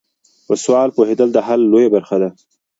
په سوال پوهیدل د حل لویه برخه ده.